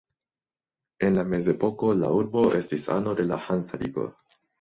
En la Mezepoko la urbo estis ano de la Hansa Ligo.